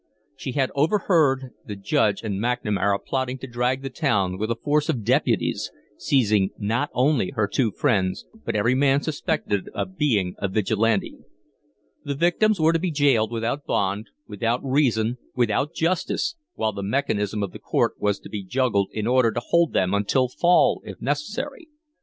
She had overheard the Judge and McNamara plotting to drag the town with a force of deputies, seizing not only her two friends, but every man suspected of being a Vigilante. The victims were to be jailed without bond, without reason, without justice, while the mechanism of the court was to be juggled in order to hold them until fall, if necessary.